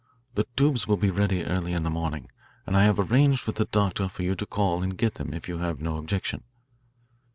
The tubes will be ready early in the morning, and I have arranged with the doctor for you to call and get them if you have no objection."